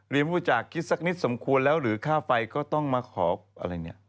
รู้จักคิดสักนิดสมควรแล้วหรือค่าไฟก็ต้องมาขออะไรเนี่ย